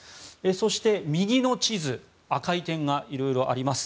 そして、右の地図赤い点が色々あります。